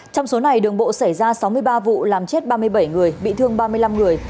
trong số này đường bộ xảy ra sáu mươi ba vụ làm chết ba mươi bảy người bị thương ba mươi năm người